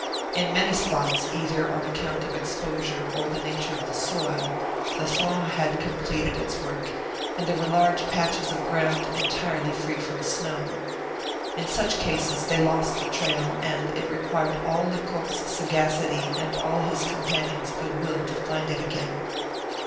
In many spots, either on account of exposure or the nature of the soil, the thaw had completed its work, and there were large patches of ground entirely free from snow. In such cases they lost the trail, and it required all Lecoq's sagacity and all his companion's good will to find it again.